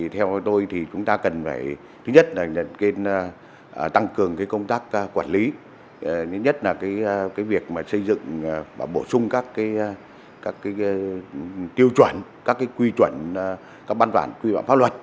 thì chúng ta cần phải thứ nhất là tăng cường công tác quản lý thứ nhất là việc xây dựng và bổ sung các tiêu chuẩn các quy chuẩn các bàn bản quy bản pháp luật